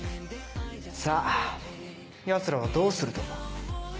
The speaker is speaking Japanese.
さぁヤツらはどうすると思う？